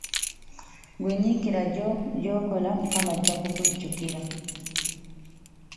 Ggwe nyiikira by'okola Mukama ajja kukujjukira.